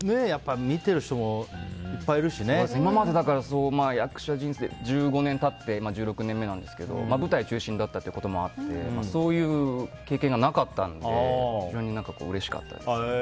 今まで役者人生１６年目なんですが舞台中心だったこともあってそういう経験がなかったので非常にうれしかったですね。